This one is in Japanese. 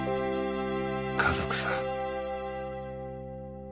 家族さ。